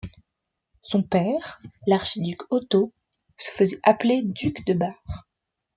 Son père, l'archiduc Otto, se faisait appeler duc de Bar.